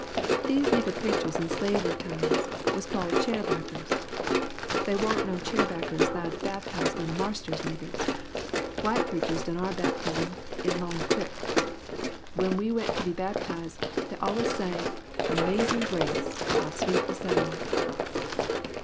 These nigger preachers in slavery time was called 'chairbackers.' They waren't no chairbackers 'lowed to baptize none of Marster's niggers. White preachers done our baptizin' in Long Crick. When we went to be baptized they allus sang, 'Amazing Grace! How sweet the sound!'"